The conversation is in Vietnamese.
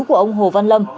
của ông hồ văn lâm